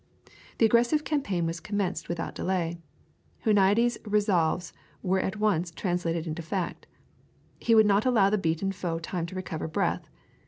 The aggressive campaign was commenced without delay; Huniades' resolves were at once translated into fact; he would not allow the beaten foe time to recover breath.